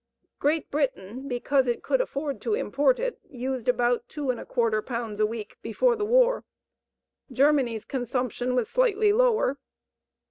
Great Britain, because it could afford to import it, used about 2¼ pounds a week before the war. Germany's consumption was slightly lower.